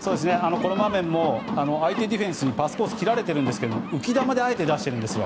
この場面も相手ディフェンスにパスコースを切られていますが浮き球であえて出してるんです。